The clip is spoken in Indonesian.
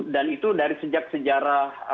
dan itu dari sejak sejarah